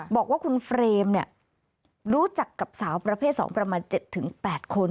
บอกว่าคุณเฟรมรู้จักกับสาวประเภท๒ประมาณ๗๘คน